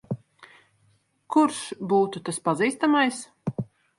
Kurš būtu tas pazīstamais?